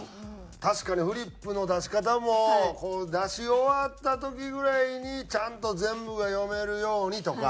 確かにフリップの出し方もこう出し終わった時ぐらいにちゃんと全部が読めるようにとか。